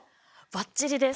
ばっちりです。